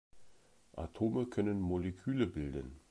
Atome können Moleküle bilden.